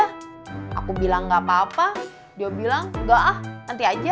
terus dia bilang yaudah nanti aja